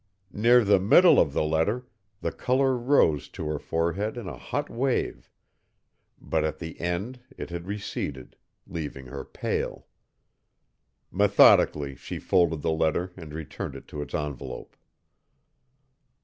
Near the middle of the letter the color rose to her forehead in a hot wave, but at the end it had receded, leaving her pale. Methodically she folded the letter and returned it to its envelope.